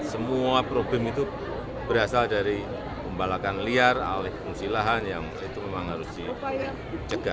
semua problem itu berasal dari pembalakan liar alih fungsi lahan yang itu memang harus dicegah